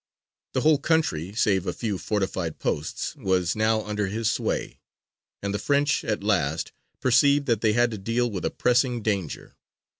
The whole country, save a few fortified posts, was now under his sway, and the French at last perceived that they had to deal with a pressing danger.